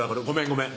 ごめん